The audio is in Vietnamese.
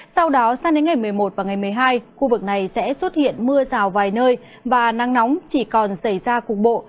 sau đó sang đến ngày một mươi một và ngày một mươi hai khu vực này sẽ xuất hiện mưa rào vài nơi và nắng nóng chỉ còn xảy ra cục bộ